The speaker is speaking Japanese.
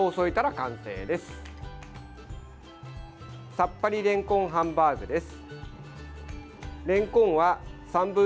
さっぱりれんこんハンバーグです。